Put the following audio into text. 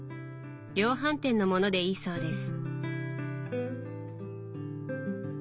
量販店の物でいいそうです。